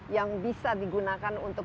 yang bisa digunakan untuk